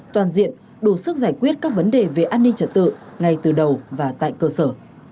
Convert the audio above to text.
toàn diện đủ sức giải quyết các vấn đề về an ninh trật tự ngay từ đầu và tại cơ sở